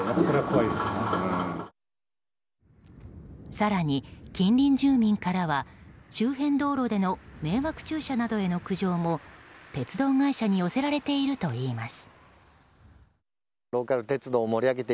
更に近隣住民からは周辺道路での迷惑駐車などへの苦情も鉄道会社に寄せられているといいます。